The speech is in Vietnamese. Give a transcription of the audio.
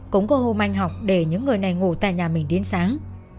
cũng có hôm anh học để những người này ngủ tại nhà mình đến sáng